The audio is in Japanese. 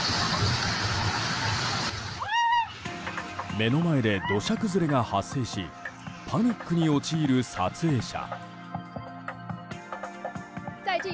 目の前で土砂崩れが発生しパニックに陥る撮影者。